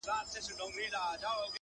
خو مخته دي ځان هر ځلي ملنگ در اچوم.